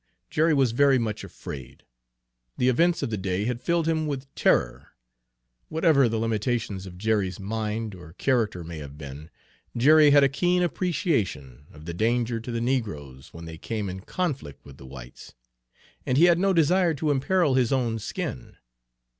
Jerry was very much afraid. The events of the day had filled him with terror. Whatever the limitations of Jerry's mind or character may have been, Jerry had a keen appreciation of the danger to the negroes when they came in conflict with the whites, and he had no desire to imperil his own skin.